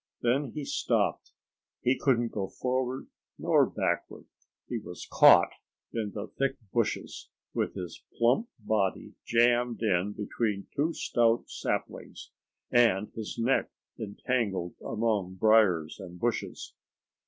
Then he stopped. He couldn't go forward nor backward. He was caught in the thick bushes, with his plump body jammed in between two stout saplings and his neck entangled among briers and bushes.